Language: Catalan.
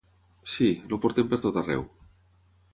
Sí, el portem pertot arreu.